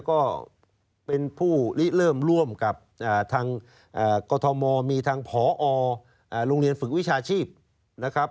ก็เป็นผู้ลิเริ่มร่วมกับทางกรทมมีทางพอโรงเรียนฝึกวิชาชีพนะครับ